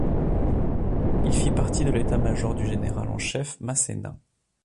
Il fit partie de l'état-major du général en chef Masséna.